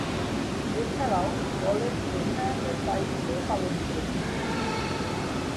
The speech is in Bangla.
এছাড়াও দলের অধিনায়কের দায়িত্ব পালন করছেন তিনি।